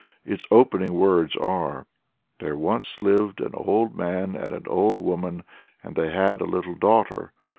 Its opening words are, "There once lived an old man and an old woman, and they had a little daughter.